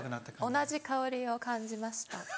同じ薫りを感じました。